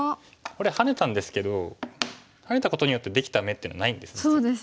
これハネたんですけどハネたことによってできた眼っていうのはないんです実は。